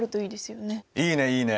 いいねいいね！